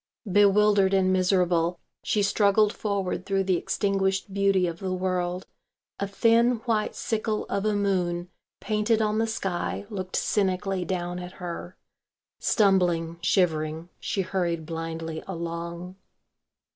Bewildered and miserable, she struggled forward through the extinguished beauty of the world. A thin white sickle of a moon painted on the sky looked cynically down at her. Stumbling, shivering, she hurried blindly along.